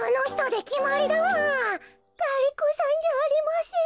ガリ子さんじゃありません。